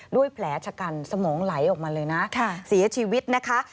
แผลชะกันสมองไหลออกมาเลยนะเสียชีวิตนะคะ